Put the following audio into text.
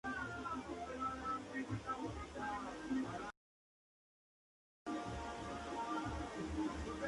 Y sobrina del rey Carlos V de Francia.